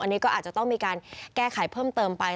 อันนี้ก็อาจจะต้องมีการแก้ไขเพิ่มเติมไป